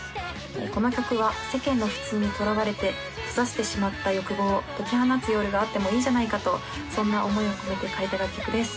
この曲は世間の普通にとらわれて閉ざしてしまった欲望を解き放つ夜があってもいいじゃないかとそんな思いを込めて書いた楽曲です